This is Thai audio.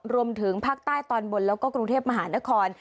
รวมถึงภาคใต้ตอนบนแล้วก็กรุงเทพมหานคร